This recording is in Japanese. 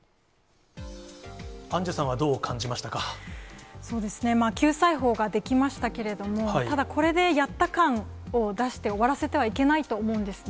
アンジュさんはどう感じましそうですね、救済法が出来ましたけれども、ただ、これでやった感を出して終わらせてはいけないと思うんですね。